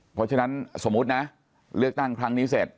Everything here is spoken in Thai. เพราะฉะนั้นสมมุตินะเลือกตั้งครั้งนี้เสร็จ